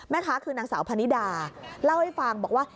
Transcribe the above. แม่ค้าคือนางสาวพนิดาเล่าให้ฟังบอกว่า